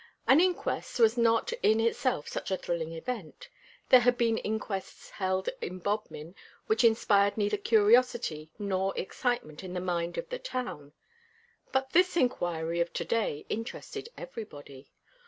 An inquest was not in itself such a thrilling event. There had been inquests held in Bodmin which inspired neither curiosity nor excitement in the mind of the town. But this inquiry of to day interested everybody.